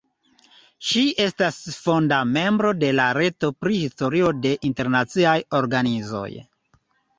Ŝi estas fonda membro de la "Reto pri Historio de internaciaj organizoj".